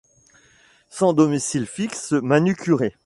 sans domicile fixe manucurée.